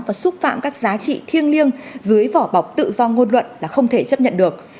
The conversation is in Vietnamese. và xúc phạm các giá trị thiêng liêng dưới vỏ bọc tự do ngôn luận là không thể chấp nhận được